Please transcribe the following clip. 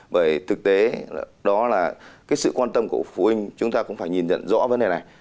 bởi thực tế đó là cái sự quan tâm của phụ huynh chúng ta cũng phải nhìn nhận rõ vấn đề này